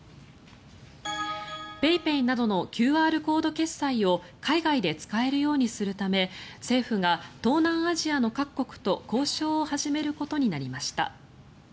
ＰａｙＰａｙなどのＱＲコード決済を海外で使えるようにするため政府が東南アジアの各国と交渉を始めることになりました。